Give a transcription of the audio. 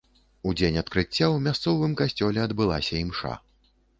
У дзень адкрыцця ў мясцовым касцёле адбылася імша.